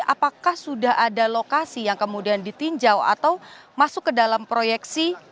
apakah sudah ada lokasi yang kemudian ditinjau atau masuk ke dalam proyeksi